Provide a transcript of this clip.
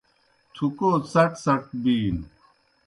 تُکَھو څٹ څٹ بِینوْ۔